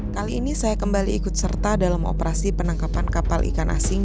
kali ini saya kembali ikut serta dalam operasi penangkapan kapal ikan asing